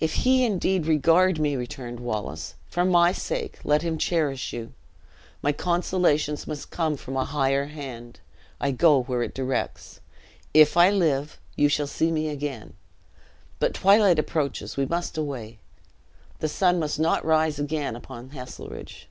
"If he indeed regard me," returned Wallace, "for my sake let him cherish you. My consolations must come from a higher hand; I go where it directs. If I live, you shall see me again; but twilight approaches we must away. The sun must not rise again upon Heselrigge."